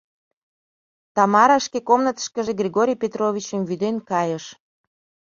Тамара шке комнатышкыже Григорий Петровичым вӱден кайыш.